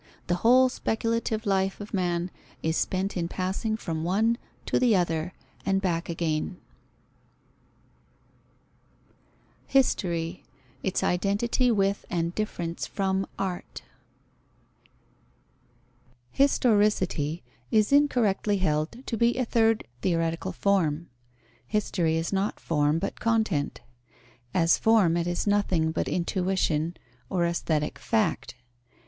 The whole speculative life of man is spent in passing from one to the other and back again. History. Its identity with and difference from art. Historicity is incorrectly held to be a third theoretical form. History is not form, but content: as form, it is nothing but intuition or aesthetic fact.